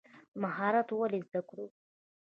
مهارت ولې زده کړو؟